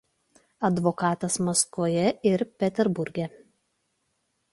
Advokatas Maskvoje ir Peterburge.